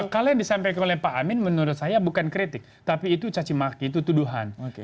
kalau yang disampaikan oleh pak amin menurut saya bukan kritik tapi itu cacimaki itu tuduhan